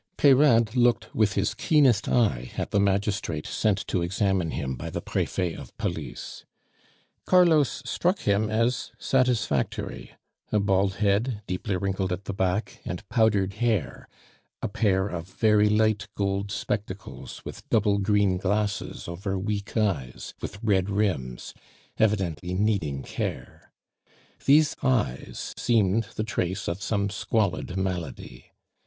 Peyrade looked with his keenest eye at the magistrate sent to examine him by the Prefet of Police. Carlos struck him as satisfactory: a bald head, deeply wrinkled at the back, and powdered hair; a pair of very light gold spectacles, with double green glasses over weak eyes, with red rims, evidently needing care. These eyes seemed the trace of some squalid malady.